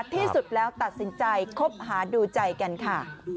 ที่สุดแล้วตัดสินใจคบหาดูใจกันค่ะ